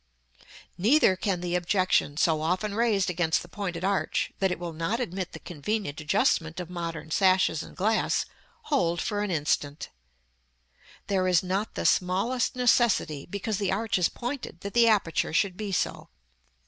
§ XLIX. Neither can the objection, so often raised against the pointed arch, that it will not admit the convenient adjustment of modern sashes and glass, hold for an instant. There is not the smallest necessity, because the arch is pointed, that the aperture should be so.